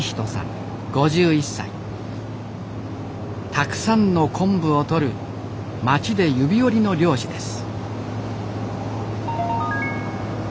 たくさんの昆布をとる町で指折りの漁師です。